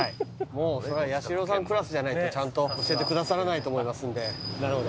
もうそれは八代さんクラスじゃないとちゃんと教えてくださらないと思いますんで。